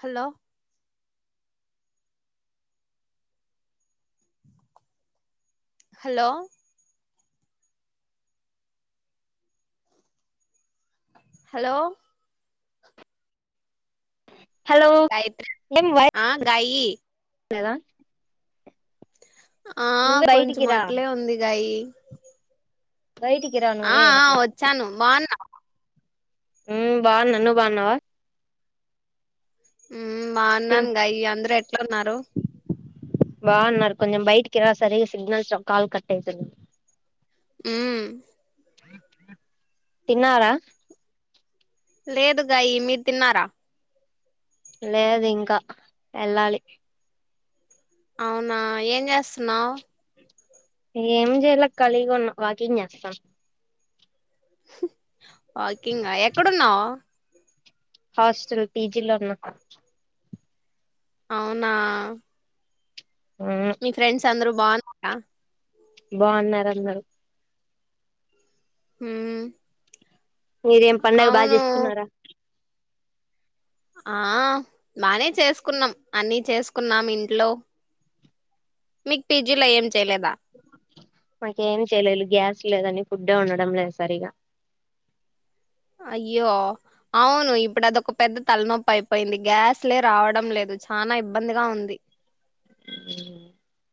Hello hello hello hello Gayatri ఆ గయి అదా ఆ బయటికి కొంచెం రా అట్లే ఉంది గాయి బయటికి రా ఆ నువ్వే అట్లా వచ్చాను బాగున్నా ఉ బాగు నన్ను బాగున్నావా తిన్ బాగున్నాను గయి అందరుూ ఎట్లున్నారు బాన్నారు కొంచెం బైట్కి ఎద సర సిగ్నల్స్ కల్ కట్యి ఊ తిన్నారా లేదుగాయి మీరు తిన్నారా లేదు ఇంకా వెళ్ళాలి అవునా ఏం చేస్తున్నావు్ ఏం చేయలో కలిగా వాకింగ్ చేస్తాం వాకింగ్ గా ఎక్కడున్నావు హాస్టల్ పీజిలో ఉన్న అవునా ఉమ్ మీ ఫ్రెండ్స్ చంద్ర బానార బాగున్నారు అందర హ మీరేం పండగ బాగా చేసుకున్నారా ఆ బానే చేసుకున్నాం అన్ని చేసుకున్నాం ఇంట్లో మీకు పీజిలో ఏం చేయలేదా మాకేం చేయలేదు గ్యాస్ లేదని ఫుడ్ ఉండడం లేదు సరిగా అయ్యో అవును ఇప్పుడు అదొక పెద్ద తలనొప్పి అయిపోయింది గ్యాస్లే రావడం లేదు చనా ఇబ్బందిగా ఉంది అ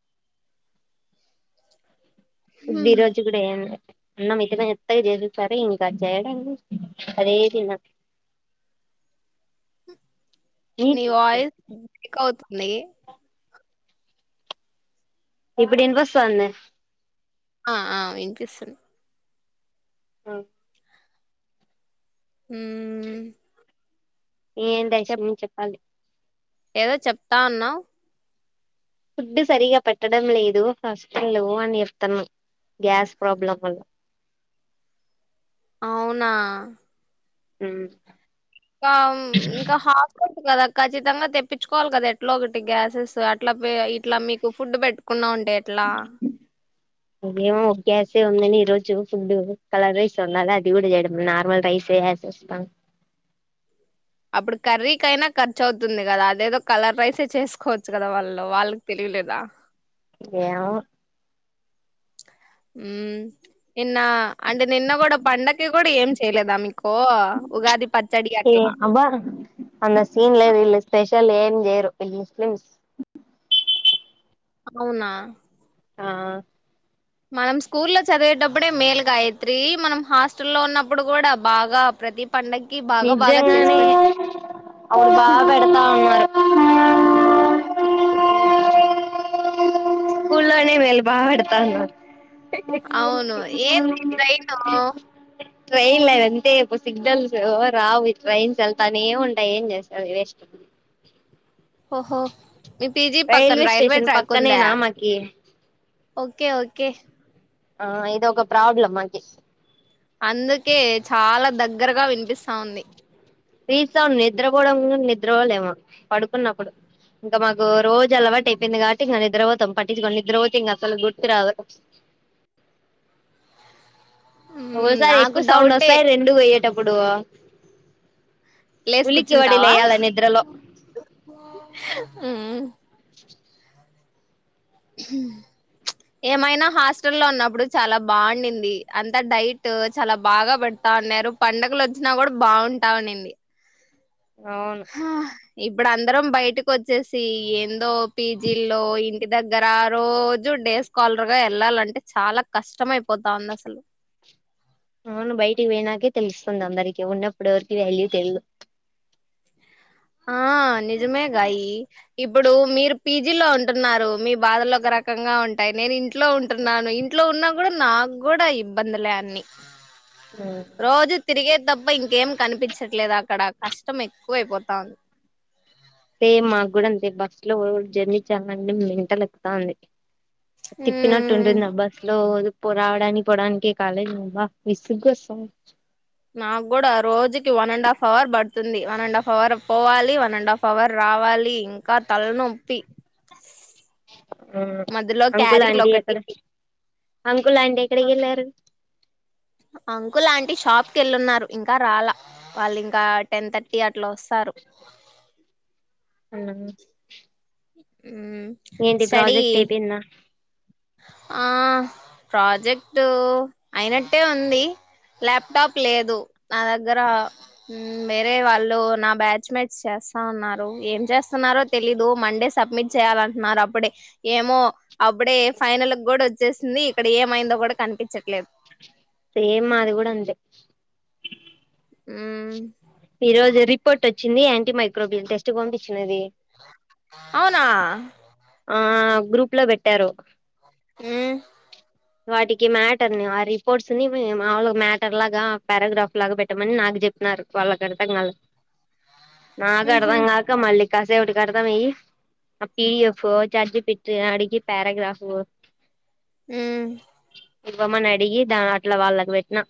ది హ్మ్. రోజు కూడా ఏన్నా అన్న మిత్రిన ఎత్తగా చేసస్తారే ఇంకా చేయడానికి అదే తిన నవయిస్ బవుతు న ఇప్పుడ బస్త అంది ఆ ఆ ఏం చేస్తను ఆ హు ఏం దశను చెప్పాలి ఏదో చెపుతా అన్నావ్ ఫుడ్ సరిగా పెట్టడం లేదు హస్టలు అని చెప్తాను గ్యాస్ ప్రాబ్లంలో అవునా హ ఇంకా ఇంకా హఫ కదా ఖచ్చితంగా తెప్పించుకోవాలి కదా ఎట్లా ఒకటి గ్యాసెస్ అట్లా ఇట్లా మీకు ఫుడ్ పెట్టుకున్నా ఉంటేయి ఎట్లా మో గ్యాసే ఉందని ఈరోజు ఫుడ్ కలర్ రైస్ ఉండాల అది కూడా చేయడం నార్మల్ రైసే గ్యాస్ వస్తాం అప్పుడు కర్రీకి అైనా ఖర్చు అవుతుంది కదా అదేదో కలర్ రైసే చేసుకోవచ్చు కదా వాళ్ళు వాళ్ళకి తెలియలేదా ఎమో మ్ ఇన్న అంటే నిన్న కూడా పండకి కూడా ఏం చేయలేదా మీకో ఉగాది పచ్చడి ఏ అట్లా అబ్బా నేరు ఇల్ ముస్లింస్ అవునా ఆ మనం స్కూల్లో చదివేటప్పుడే మేలుగాయత్రి మనం హాస్టల్లో ఉన్నప్పుడు కూడా బాగా ప్రతి పండక్కి బాగా బాగా చేసి నిజంగానే పెడత అరు బాగా పెడతా ఉన్నారు స్కల్నే మేళ బాగా పెడతాన్నారు అవును ఏంది ట్రైన్ ట్రైన్ దంతేప్పు సిగ్నల్ రావు ఇ ట్రైన్స్ల్తనే ఏ ఉంటాయి ఏం చేస్తారు వేస్ ఓహో మీ పిజీ పక్కన రైల్వే స్టేషన్ ట్రాకు ఉందా పక్కనేనా మాకి ఓకే ఓకే ఆ ఇదో ఒక ప్రాబ్లమ్ మాకి అందుకే చాలా దగ్గరగా వినిపిస్తా ఉంది తీస్తాం నిద్రపోవడం నిద్రపోలేము పడుకున్నప్పుడు ఇంకా మాకు రోజు అలవాటు అయిపోయింది కాబట్టి ఇంకా నిద్ర పోతాం పట్టించుకోని నిద్ర పోతే ఇంక అసలు గుర్తు రావదు మ్మ్, ఒకసారి నాకు ఎక్కువ సౌండ్ డౌటే వస్తాయి రెండు పోయ్యేటప్పుడు అప్పుడు లేసు కూర్చుంటావా ఏమైనా హాస్టల్ లో ఉన్నప్పుడు చాలా బాగుంనింది అంత డైట్ చాలా బాగా పెడతా ఉన్నారు పండగలు వచ్చినా కూడా బాగుంటా ఉండింది అవును ఇప్పుడు అందరం బయటకి వచ్చేసి ఏందో పీజీలో ఇంటి దగ్గర రోజు డే స్కాలర్గా వెళ్ళాలంటే చాలా కష్టం అయిపోతా ఉంది అసలు అవును బయటికి పోయినాకే తెలుస్తుంది అందరికి ఉన్నప్పుడు ఎవరికి వాల్యూ తెలిదు ఆ నిజమే గాయి ఇప్పుడు మీరు పీజీలో ఉంటున్నారు మీ బాధలు ఒక రకంగా ఉంటాయి నేను ఇంట్లో ఉంటున్నాను ఇంట్లో ఉన్నా కూడా నాకు కూడా ఇబ్బందులే అన్ని తెలీదు రోజు తిరిగే తప్ప ఇంకేం కనిపించట్లేదు అక్కడ కష్టం ఎక్కువ అయిపోతాంది సేమ్ మాకు కూడా అంతే బస్సు లో జర్నీ చేయాలంటే మెంటల్ ఎక్కుతా ఉంది తిప్ప నట్టు ఉంటుంది ఆ బస్ లో పొ రావడాని పావడానికి కాలేజ్ అబ్బా విసుగు నాకు కూడా రోజుకి వన్ అండ్ హాఫ్ అవర్ పడుతుంది వన్ అండ్ హాఫ్ అవర్ పోవాలి వన్ అండ్ హాఫ్ అవర్ రావాలి ఇంకా తలనొప్పి ఆ మధ్యలో అంకుల్ క్యారీలు అంటీ ఎక్కడ ఒకటి అవి అంకుల్ ఆంటీ షాప్కి వెళ్ళున్నారు ఇం ఇంకా రాలా వాళ్ళు ఇంకా టెన్ థర్టీ అట్లా వస్తారు అవు ఏంటి స్టడీ ప్రాజెక్ట్ అయిపోయింద ఆ ప్రాజెక్ట్ అయినట్టే ఉంది ల్యాప్టాప్ లేదు నా దగ్గర వేరే వాళ్ళు నా బ్యాచ్ మేట్స్ చేస్తా ఉన్నారు ఏం చేస్తున్నారో తెలీదు మండే సబ్మిట్ చేయాలంటున్నారు అప్పుడే ఏమో అప్పుడే ఫైనల్ కూడా వచ్చేసింది ఇక్కడ ఏమైందో కూడా కనిపించట్లేదు సేమ్ మాది కూడా అంతే ఊ ఈ రోజు రిపోర్ట్ వచ్చింది యాంటీమైక్రోబ్లిన్ టెస్ట్ పంపించినది అవునా ఆ గ్రూప్ లో పెట్టారు ఊ వాటికి మ్యాటర్ ని ఆ రిపోర్ట్స్ ని మేము మామొలుగ మ్యాటర్ లాగా పారాగ్రాఫ్ లాగా పెట్టమని నాకు చెప్పినారు వాళ్లకి అర్థం గాక నాకు మ్హు అర్థం గాక మళ్ళీ కాస అప్పుటి కడతా పోయయి పిడిఎఫ్ చజి పెిట్ అడికి పరగ్రాఫ అ ఇవ్వమ్మని అడిగి దాని అట్లా వాళ్ళకి పెట్టిన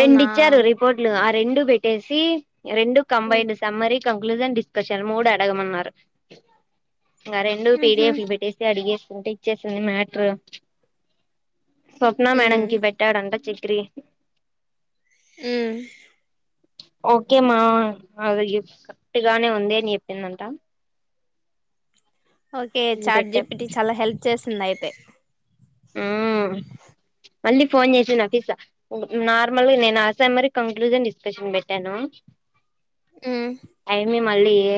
రెండు ఇచ్చారు రిపోర్టులు రెండు బెట్టేసి రెండు మ్మ్ కంబైండ్ సమ్మరీ కంక్లూజన్ డిస్కషన్ మూడు అడగమన్నారు ఆ రెండు పీడి మ్హు ఎఫ్ లు పెట్టేస్తె అడిగే అంటే ఇచ్చేసింది మ్యాటరు స్వప్న మ్మ్ మేడంకిి పెట్టాడంటా చెయ్ త్రీ ఆ ఓకే మా అది కరెక్ట్గానే ఉంది అని చెప్పిందంట ఓకే ఇది చాట్ పెట్టాం [unintelligible] చాలా హెల్ప్ చేస్తుంది అయితే మళ్ళీ ఫోన్ చేసిండా అఫీస నార్మల్గా నేను ఆశాన్ మరి కంక్లూజన్ డిస్కషన్ పెట్టాను ఆ మళ్ళి ఎ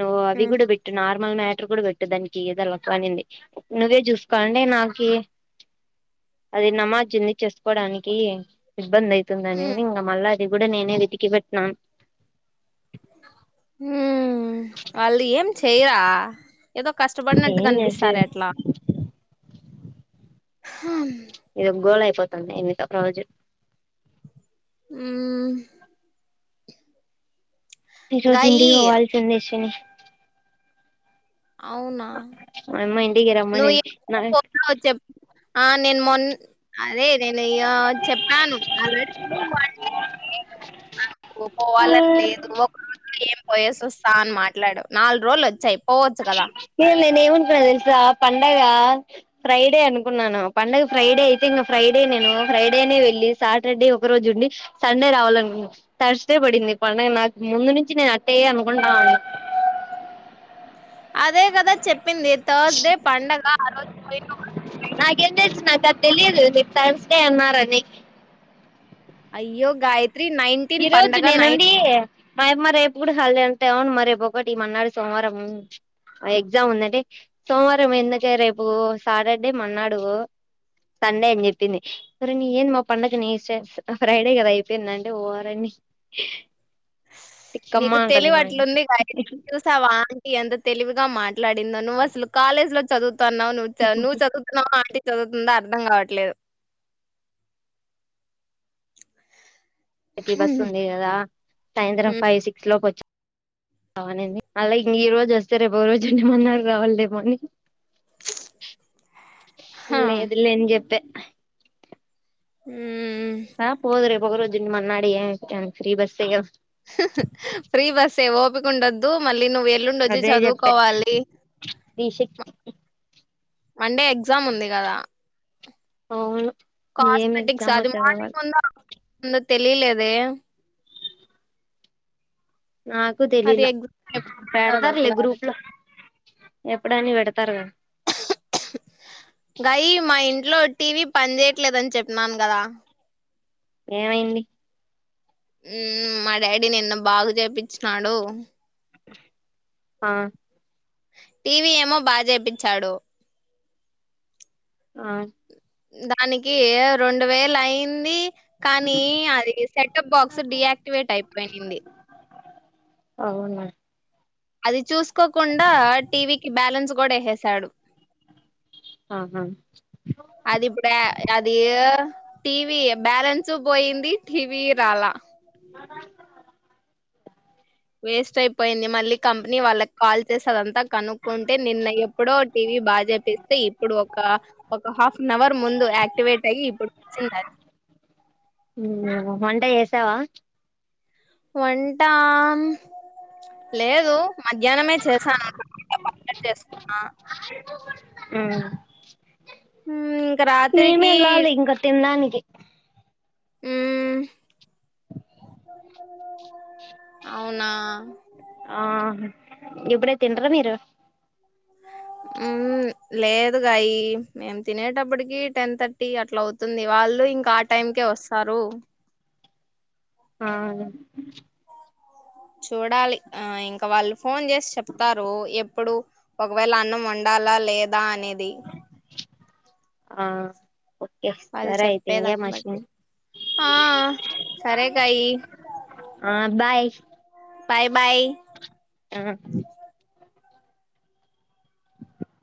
నువ్వు మ్మ్ అవిగుడబట్టున్నావరా ఈ మ్యాటర్ కూడా పెట్టు దానికి ఎదల కాలింది నువ్వే చూస్తాండే నాకు ఒకే అది నమాజ్ ఉంది చేసుకోడానికి ఇబ్బంది అయితుందాని మల్లక్ అది కూడా కూడా నేనే వెదికి పట్నాను హ వాళ్ళు ఏం పెళ్ళా ఏదో కష్టపడినట్టు ఏం కనిపిస్తారె చేసేది అట్లా హా ఇది గోళయి చెప్పాండి ఎన్నిక ప్రయోజన్ ఆ ఈ రోజు గాయి ఇంటికి పొవాలిసిందే అశ్వని అవునా మ [inaudible] నువ్వు ఎప్పుడు పొతున్నావొ చెప్పు ఆ నేను మొన్న అదే నేను చెప్పాను ఆల్రెడీ ను పోవాలని లేదు ఒక రోజు ఏం పోయే వస్తా అని మాట్లాడవ్ నాలుగు రోజులు వచ్చాయి పోవచ్చు కదా మె నిను అనుకున్నానొ తెలుసా పండగ ఫ్రైడే అనుకున్నాను పండుగ ఫ్రైడే అయితే ఇంక ఫ్రైడే నేను ఫ్రైడేనే వెళ్ళి సాటర్డే ఒక రోజు ఉండి సండే రావాలనుకున్నా థర్స్డే పడింది పండగ నాకు ముందు నుంచి నేను అట్టయ్యె అనుకుంటాన్నా అదే కదా చెప్పింది థర్స్డే పండగ ఆ రోజు పోయి [unintelligible] తర్స్ డే అన్నారని అయ్యో గాయి త్రీ నైన్టీన్ పండగ నైన్ మాయమ్మ రేపు కూడ హాలిడే అంటే అవును మా రేపు ఒకటి మన్నాడు సోమవారము ఎగ్జామ్ ఉందంటె సోమవారం ఎందుకే రేపు సాటర్డే మన్నాడు సండే అని చెప్పింది. ఒరి నీ ఏంది మా పడుగ నీ చే ఫ్రైడే కదా అయిపోయిందంటె ఓ రిని నీకు తెలివి అట్లుంది మరి చూసావా ఆంటి ఎంత తెలివిగా మాట్లాడింద నువ్వసలు కాలేజ్ లో చదువు తన్నావ నువు చా నువ్వు చదువుతన్నావా అంటె చదువుతుందా అర్థం కావట్లేదు. ఎపి బస్ ఉంది కదా సాయంత్రం హ్మ్ ఫైవ్ సిక్స్ లోపు వచ్ అవునండి మళ్లా ఇంగ ఈ రోజు వస్తే రేపు రోజు ఉండి మన్నారు రావాల్లేమో అని హా లేదు లే ని చెప్ప హ్మ్ రా పోదు రేప్ ఒగ రోజుండి మన్నాడె ఏం ఫ్రీ బస్ ఎ గదా ఫ్రీ బస్సే ఓపికండద్దు మళ్ నువ్వు ఎల్లుండొచ్చి అదే చెప్పా చదువుకోవాలి. రిషిక్ మన్ డే ఎగ్జామ్ ఉంది కదా అవును ఏం కాస్మెటిక్స్ ఎగ్జామో అది మానింగ్ చదవాలి ఉందా ముందు తెలిలేదే నాకు అది తెలీల ఎగ్జామ్ ఎప్పుడు ఉంటదో పెడతారులె గ్రూప్ క్లారిటీ లో ఎప్పుడని పెడతారు గాయి మా ఇంట్లో టీవీ పని చేయట్లేదని చెప్పినాను కదా ఏమైంది ఊ మా డాడీ నిన్న బాగు చేపిచ్చినాడు. ఆ టీవీ ఏమో బా చేపిచ్చాడు. ఆ దానికి రొండు వేలయింది కానీ అది సెటప్ బాక్స్ డియాక్టివేట్ అయిపోయింది. అవున అది చూసుకోక్ కుండా టీవీకిి బ్యాలెన్స్ కూడా ఏసేసాడు ఆహా అది ఇబ్బుడ అదీ టీవీ బ్యాలెన్సు పోయింది టీవీ రాలా అ వేస్ట్ అయిపోయింది మళ్ళీ కంపెనీ వాళ్ళకి కాల్ చేసి అదంతా కనుక్కుంటే నిన్న ఎప్పుడో టీవీ బాగా చేపిస్తే ఇప్పుడు ఒక ఒక హాఫ్ అన్ అవర్ ముందు యాక్టివేట్ అయ్యి ఇప్పుడు వచ్చిందన్ సావా వంటా లేదు మధ్యాహ్నమే చేశాను ఇప్పుడు నిమ్మకాయ పచ్చడ చేస్కున్న ఆ ఇంకా రాత్రికి మేమేళ్ళాలి ఇంకా తినడానికి కి ఉ అవునా ఆ ఇప్పుడే తింట్రా మీరు ఉ లేదు కాయ మేం తినేటప్పటికి టెన్ థర్టీ అట్లా అవుతుంది వాళ్ళు ఇంకా ఆ టైంకే వస్తారు ఆను చూడాలి ఆ ఇంకా వాళ్ళు ఫోన్ చేసి చెప్తారు ఎప్ ఇప్పుడు ఒకవేళ అన్నం వండాలా లేదా అనేది ఆ ఓకే వాళ్ళు సరే అయితే ఇంగే చెప్పేదాన్ని మషిన్ బట్టి ఆ సరే కాయి ఆ బాయ్ బాయ్ బాయ్ ఆ